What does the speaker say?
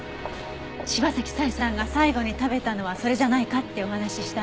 柴崎佐江さんが最後に食べたのはそれじゃないかってお話ししたら。